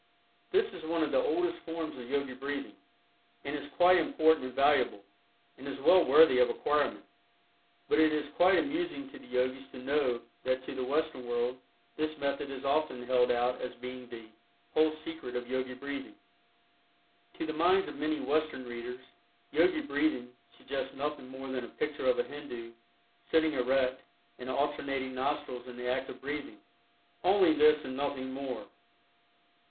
This is one of the oldest forms of Yogi breathing, and is quite important and valuable, and is well worthy of acquirement. But it is quite amusing to the Yogis to know that to the Western world this method is often held out as being the "whole secret" of Yogi Breathing. To the minds of many Western readers, "Yogi Breathing" suggests nothing more than a picture of a Hindu, sitting erect, and alternating nostrils in the act of breathing. "Only this and nothing more."